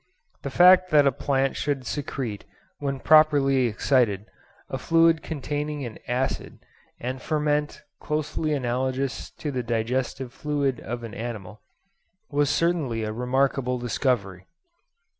The fact that a plant should secrete, when properly excited, a fluid containing an acid and ferment, closely analogous to the digestive fluid of an animal, was certainly a remarkable discovery.